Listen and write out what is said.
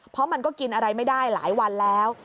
เพราะมันก็กินอะไรไม่ได้หลายวันแล้ว